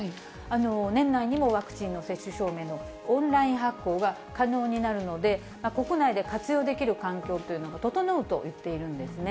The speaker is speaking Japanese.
年内にもワクチンの接種証明のオンライン発行が可能になるので、国内で活用できる環境というのが整うといっているんですね。